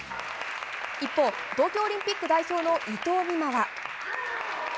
一方、東京オリンピック代表の伊藤美誠は。